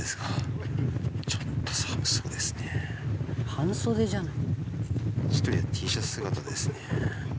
半袖じゃない。